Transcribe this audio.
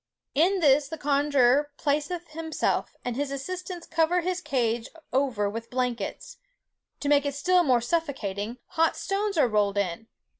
In this the conjuror placeth himself, and his assistants cover his cage over with blankets. To make it still more suffocating, hot stones are rolled in.